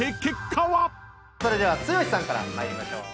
それでは剛さんから参りましょう。